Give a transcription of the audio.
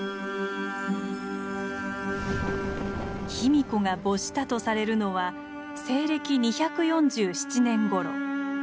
卑弥呼が没したとされるのは西暦２４７年頃。